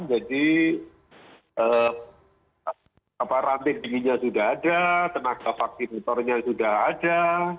jadi rantai dinginnya sudah ada tenaga vaksinatornya sudah ada